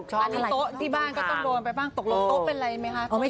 เจ็บร้องก็ได้